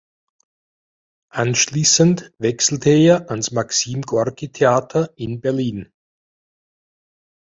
Anschließend wechselte er ans Maxim Gorki Theater in Berlin.